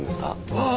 ああ。